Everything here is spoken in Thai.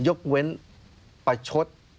ยกเว้นประชด